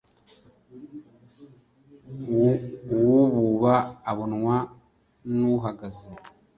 uwububa abonwa n'uhagaze